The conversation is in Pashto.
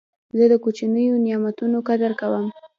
زه د کوچنیو نعمتو قدر کوم.